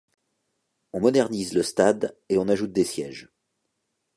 On modernise le stade et on ajoute des sièges.